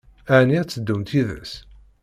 Ɛni ad teddumt yid-s?